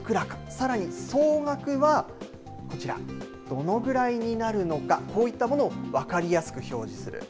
さらに総額はこちら、どのぐらいになるのか、こういったものを分かりやすく表示する。